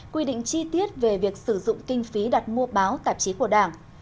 quy định chi tiết về việc sử dụng kinh phí đặt mua báo tạp chí của đảng